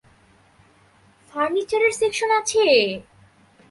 ফার্নিচারের সেকশনে আছে!